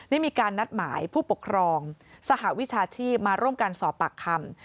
ได้มีการนัดหมายผู้ปกครองสหวิชาชีพมาร่วมกันสอบปากคำ